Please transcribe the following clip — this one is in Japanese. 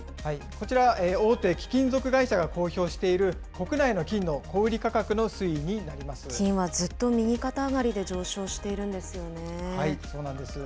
こちら大手貴金属会社が公表している国内の金の小売り価格の金はずっと右肩上がりで上昇そうなんです。